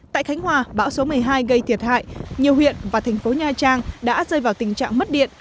tại khánh hòa bão số một mươi hai gây thiệt hại nhiều huyện và thành phố nha trang đã rơi vào tình trạng mất điện